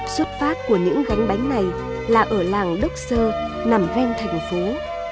xuất phát của những gánh bánh này là ở làng đốc sơ nằm ven thành phố